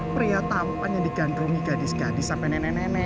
pria tampannya digandungi gadis gadis sampai nenek nenek